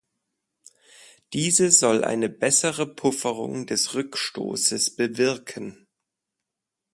Diese soll eine bessere Pufferung des Rückstoßes bewirken.